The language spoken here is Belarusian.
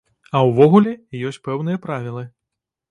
А ўвогуле, ёсць пэўныя правілы.